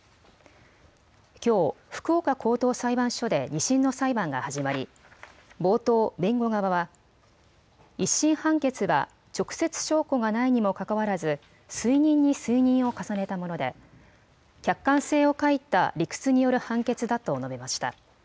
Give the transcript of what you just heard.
きょう、福岡高等裁判所で２審の裁判が始まり冒頭、弁護側は１審判決は直接証拠がないにもかかわらず推認に推認を重ねたもので客観性を欠いた理屈による判決だと述べました。